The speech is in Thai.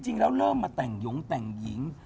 จริงแล้วเริ่มมาแต่งหยงแต่งหญิง